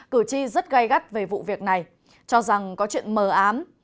cử tri rất gai gắt về vụ việc này cho rằng có chuyện mờ ám